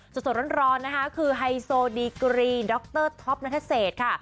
สดร้อนนะคะคือไฮโซดีกรีดรท็อปนัทเศษค่ะ